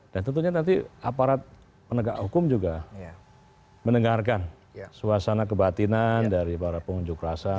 dan tentunya nanti aparat penegak hukum juga mendengarkan suasana kebatinan dari para pengunjuk rasa